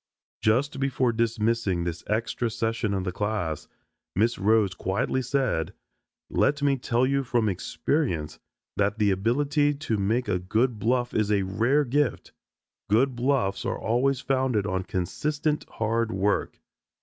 Just before dismissing this extra session of the class, Miss Rhodes quietly said, "Let me tell you from experience that the ability to make a good bluff is a rare gift. Good bluffs are always founded on consistent hard work."